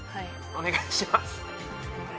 お願いします